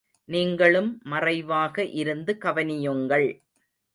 நீங்களும் மறைவாக இருந்து கவனியுங்கள்.